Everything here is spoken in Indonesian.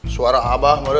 suara abah merdu